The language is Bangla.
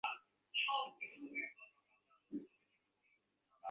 কম্বল এনে দেবো?